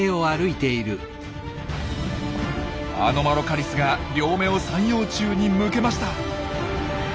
アノマロカリスが両目を三葉虫に向けました。